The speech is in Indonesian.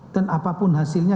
dan apapun hasilnya